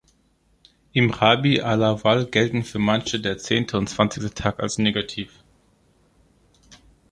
Im Rabiʿ al-auwal gelten für manche der zehnte und zwanzigste Tag als negativ.